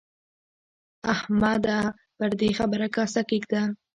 احمده! پر دې خبره کاسه کېږده.